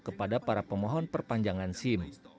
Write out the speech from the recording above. kepada para pemohon perpanjangan sim